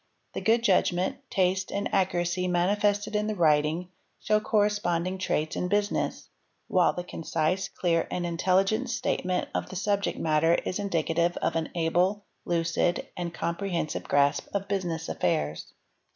The good judgment, taste and accuracy manifested in the writing show corresponding traits 17 business; while the concise, clear, and intelligent statement of th subject matter is indicative of an able, lucid, and comprehensive grasp ¢ business affairs.